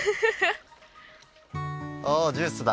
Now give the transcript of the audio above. ああジュースだ。